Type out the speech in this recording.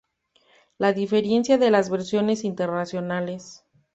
La diferencia de las versiones internacionales.